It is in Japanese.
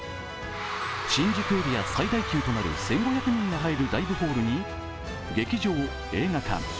新宿エリア最大級となる１５００人が入るライブホールに劇場、映画館。